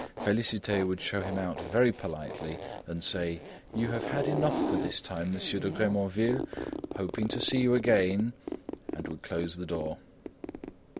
Félicité would show him out very politely and say: "You have had enough for this time, Monsieur de Grémanville! Hoping to see you again!" and would close the door.